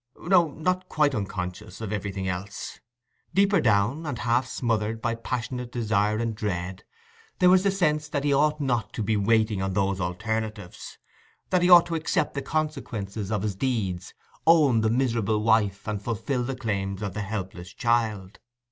No, not quite unconscious of everything else. Deeper down, and half smothered by passionate desire and dread, there was the sense that he ought not to be waiting on these alternatives; that he ought to accept the consequences of his deeds, own the miserable wife, and fulfil the claims of the helpless child.